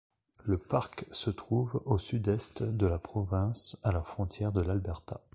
Le parc se trouve au Sud-est de la province à la frontière de l'Alberta.